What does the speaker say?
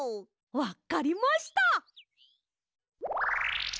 わっかりました！